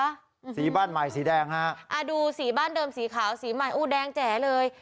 สีบ้านใหม่สีแดงฮะอ่าดูสีบ้านเดิมสีขาวสีใหม่อู้แดงแจ๋เลย